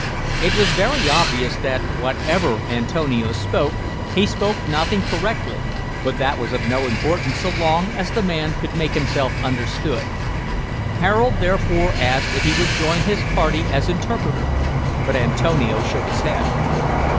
It was very obvious that, whatever Antonio spoke, he spoke nothing correctly, but that was of no importance so long as the man could make himself understood. Harold therefore asked if he would join his party as interpreter, but Antonio shook his head.